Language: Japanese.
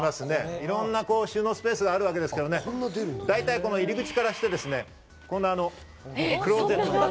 いろんな収納スペースがあるわけですが、入り口からしてクローゼットがある。